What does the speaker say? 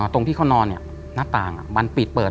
ตรงที่เขานอนหน้าต่างมันปิดเปิด